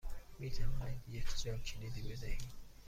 می توانید یک جاکلیدی بدهید؟